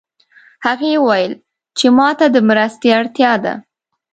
هغې وویل چې ما ته د مرستې اړتیا ده